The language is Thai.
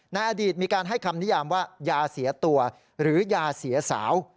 ในอดีตมีการให้คำนิยามว่ายาเสียตัวหรือยาเสียสาว